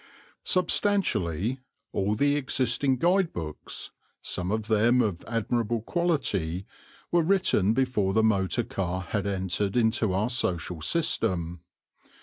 Substantially, all the existing guide books, some of them of admirable quality, were written before the motor car had entered into our social system.